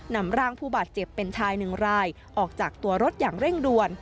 นำร่างผู้บาดเจ็บเป็นชายหนึ่งรายออกจากตัวรถอย่างเร่งด่วน